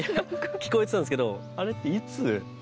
聞こえてたんですけどあれって。